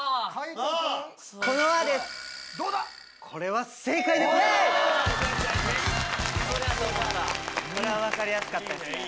これは正解でございます！